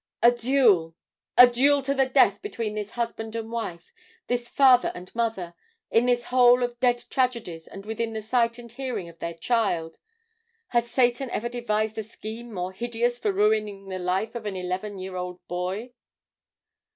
"A duel! a duel to the death between this husband and wife this father and mother in this hole of dead tragedies and within the sight and hearing of their child! Has Satan ever devised a scheme more hideous for ruining the life of an eleven year old boy!